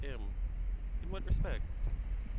M. In what respect ?